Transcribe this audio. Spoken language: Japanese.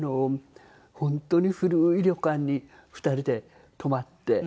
本当に古い旅館に２人で泊まって。